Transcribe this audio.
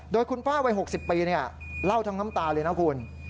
โดยคุณป้าวัย๖๐ปีเล่าทั้งน้ำตาเลยนะคุณ